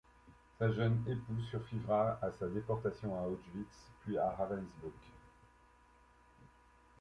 Sa jeune épouse survivra à sa déportation à Auschwitz puis Ravensbrück.